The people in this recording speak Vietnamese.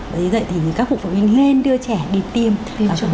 vì vậy thì các phụ huynh nên đưa trẻ đi tìm vaccine